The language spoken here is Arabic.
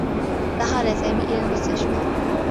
دخل سامي إلى المستشفى.